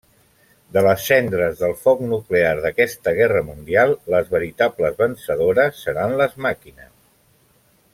De les cendres del foc nuclear d'aquesta guerra mundial, les veritables vencedores seran les màquines.